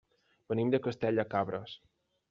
Venim de Castell de Cabres.